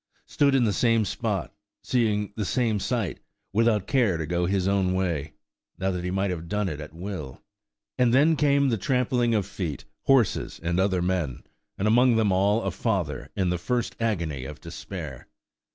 Stood in the same spot, seeing the same sight, without care to go his own way, now that he might have done it at will. And then came the trampling of feet, horses and other men, and among them all a father in the first agony of despair.